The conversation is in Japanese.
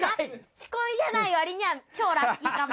仕込みじゃないわりには、超ラッキーかも。